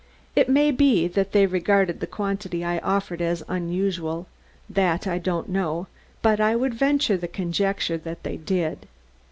It may be that they regarded the quantity I offered as unusual; that I don't know, but I would venture the conjecture that they did."